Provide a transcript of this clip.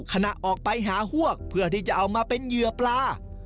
ขณะออกไปหาฮวกเพื่อที่จะเอามาเป็นเหยื่อปลา